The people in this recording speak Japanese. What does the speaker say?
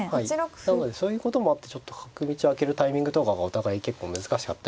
なのでそういうこともあってちょっと角道を開けるタイミングとかがお互い結構難しかったりしたんですけど。